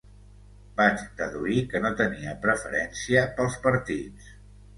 Vaig deduir que no tenia preferència pels partits.